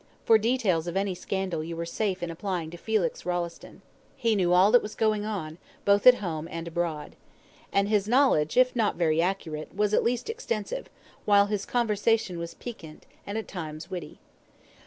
For details of any scandal you were safe in applying to Felix Rolleston. He knew all that was going on, both at home and abroad. And his knowledge, if not very accurate, was at least extensive, while his conversation was piquant, and at times witty.